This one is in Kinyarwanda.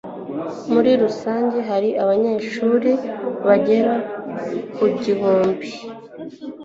Muri rusange hari abanyeshuri bagera ku gihumbi.